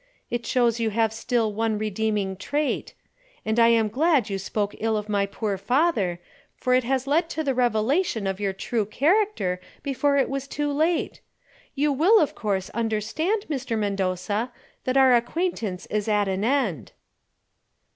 "It shows you have still one redeeming trait. And I am glad you spoke ill of my poor father, for it has led to the revelation of your true character before it was too late. You will, of course, understand, Mr. Mendoza, that our acquaintance is at an end."